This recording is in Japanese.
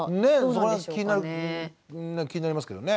そこら辺気になりますけどね。